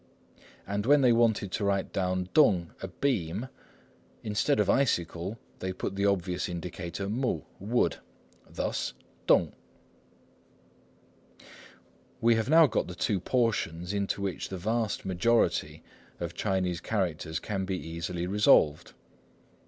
And when they wanted to write down tung "a beam," instead of "icicle," they put the obvious indicator 木 "wood," thus 棟. We have now got the two portions into which the vast majority of Chinese characters can be easily resolved.